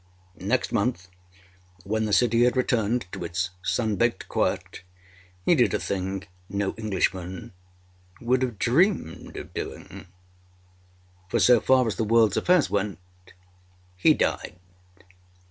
Next month, when the city had returned to its sun baked quiet, he did a thing no Englishman would have dreamed of doing; for, so far as the worldâs affairs went, he died.